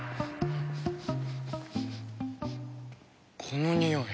このにおい。